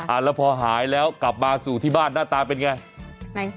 แล้วพอหายแล้วกลับมาสู่ที่บ้านหน้าตาเป็นไง